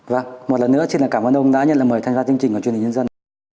vâng một lần nữa xin cảm ơn ông đã nhận lời mời tham gia chương trình của truyền hình nhân dân